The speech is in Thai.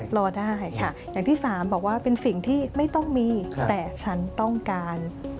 รอได้ค่ะอย่างที่สามบอกว่าเป็นสิ่งที่ไม่ต้องมีแต่ฉันต้องการ